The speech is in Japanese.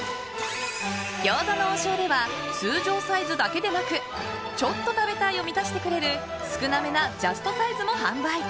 餃子の王将では通常サイズだけでなくちょっと食べたいを満たしてくれる少なめのジャストサイズも販売。